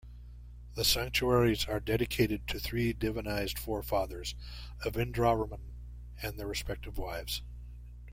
The sanctuaries are dedicated to three divinized forefathers of Indravarman and their respective wives.